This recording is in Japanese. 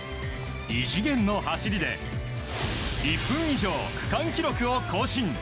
異次元の走りで１分以上、区間記録を更新。